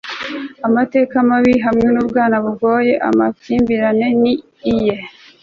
amateka mabi hamwe nubwana bugoye. amakimbirane ni iye